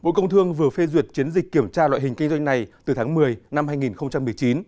bộ công thương vừa phê duyệt chiến dịch kiểm tra loại hình kinh doanh này từ tháng một mươi năm hai nghìn một mươi chín